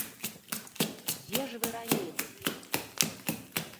Дзе ж вы раней былі?